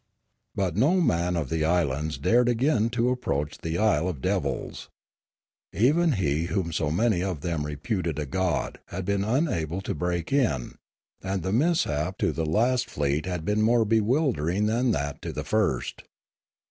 But no man of the islands dared again to approach the Isle of Devils. Even he whom so many of them reputed a god had been unable to break in; and the mishap to. the last fleet had been more bewildering than that to the first.